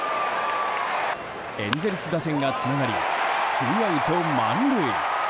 エンゼルス打線がつながりツーアウト満塁。